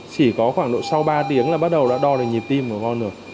chỉ có khoảng độ sau ba tiếng là bắt đầu đã đo được nhịp tim của con rồi